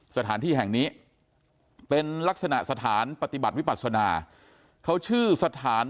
สถานที่แห่งนี้เป็นลักษณะสถานปฏิบัติวิปัศนาเขาชื่อสถาน